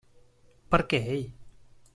Per què ell?